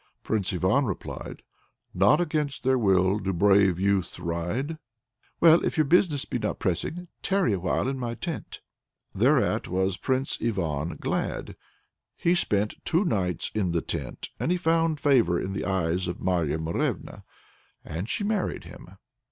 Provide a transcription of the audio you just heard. Prince Ivan replied, "Not against their will do brave youths ride!" "Well, if your business be not pressing, tarry awhile in my tent." Thereat was Prince Ivan glad. He spent two nights in the tent, and he found favor in the eyes of Marya Morevna, and she married him.